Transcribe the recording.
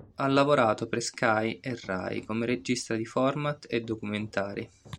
Ha lavorato per Sky e Rai come regista di format e documentari.